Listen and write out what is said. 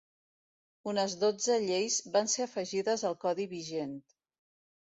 Unes dotze lleis van ser afegides al Codi vigent.